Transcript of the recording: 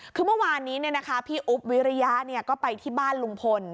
คือเมื่อวานนี้พี่อุ๊บวิริยะก็ไปที่บ้านลุงพล